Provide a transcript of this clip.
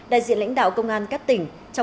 đại diện lãnh đạo công an các tỉnh